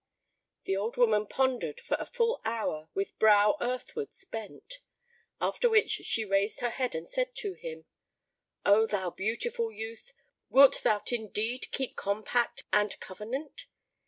The old woman pondered for a full hour with brow earthwards bent; after which she raised her head and said to him, "O thou beautiful youth, wilt thou indeed keep compact and covenant?"